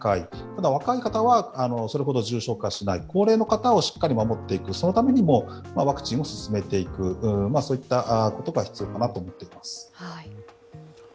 ただ、若い方はそれほど重症化しない、高齢の方を守っていく、そのためにもワクチンを勧めていく、そういったことが必要かなと思っています。